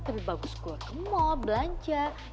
tapi bagus gue ke mall belanja